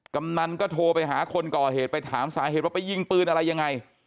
กำนันก็โทรไปหาคนก่อเหตุไปถามสาเหตุว่าไปยิงปืนอะไรยังไง